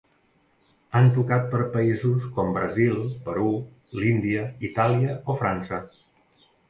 Han tocat per països com Brasil, Perú, l'Índia, Itàlia o França.